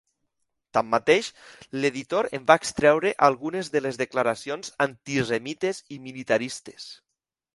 Tanmateix, l'editor en va extreure algunes de les declaracions antisemites i militaristes.